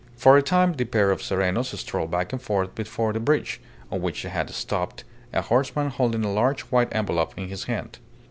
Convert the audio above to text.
For a time the pair of serenos strolled back and forth before the bridge, on which they had stopped a horseman holding a large white envelope in his hand.